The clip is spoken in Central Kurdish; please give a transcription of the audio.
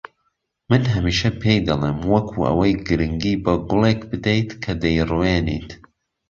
من هەمیشە پێی دەڵێم وەکو ئەوەی گرنگی بە گوڵێک بدەیت کە دەیڕوێنیت